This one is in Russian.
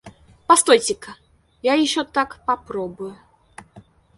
Постойте-ка, я ещё так попробую.